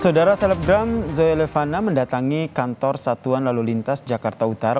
saudara selebgram zai elevana mendatangi kantor satuan lalu lintas jakarta utara